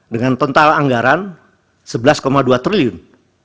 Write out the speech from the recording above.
dengan total anggaran rp sebelas dua triliun